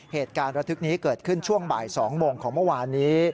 เหตุการณ์ระทึกนี้เกิดขึ้นช่วงบ่าย๒โมงของเมื่อวานนี้